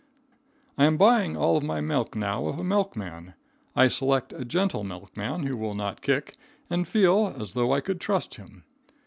I am buying all my milk now of a milkman. I select a gentle milkman who will not kick, and feel as though I could trust him.